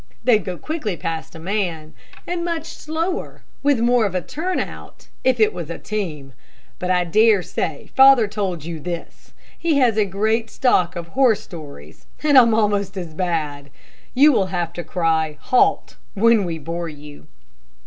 They'd go quickly past a man, and much slower, with more of a turn out, if it was a team. But I dare say father told you this. He has a great stock of horse stories, and I am almost as bad. You will have to cry 'halt,' when we bore you."